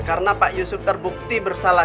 karena pak yusuf terbukti bersalah